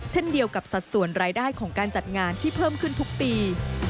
เช่นเดียวกับสัดส่วนรายได้ของการจัดงานที่เพิ่มขึ้นทุกปี